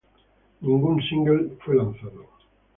Ningún single fue lanzado.